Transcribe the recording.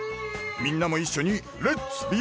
みんなも一緒にレッツ！